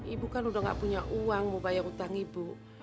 ibu kan udah gak punya uang mau bayar utang ibu